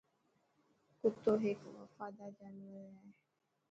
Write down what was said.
ڪتي هڪ وفادار جانور آهي.